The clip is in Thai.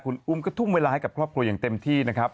คุณอุ้มก็ทุ่มเวลาให้กับครอบครัวอย่างเต็มที่นะครับ